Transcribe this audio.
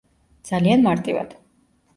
ძალიან მარტივად.